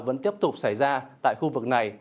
vẫn tiếp tục xảy ra tại khu vực này